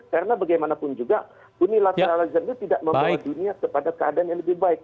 karena bagaimanapun juga unilateralism itu tidak membawa dunia kepada keadaan yang lebih baik